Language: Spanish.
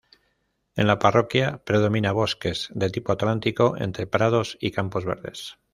En la parroquia, predomina bosques de tipo atlántico, entre prados y campos verdes.